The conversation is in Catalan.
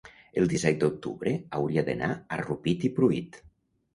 el disset d'octubre hauria d'anar a Rupit i Pruit.